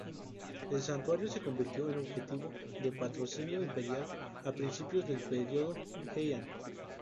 El santuario se convirtió en objetivo de patrocinio imperial a principios del Período Heian.